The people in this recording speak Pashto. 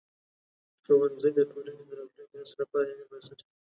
ښوونځی د ټولنې د راتلونکي نسل لپاره علمي بنسټ دی.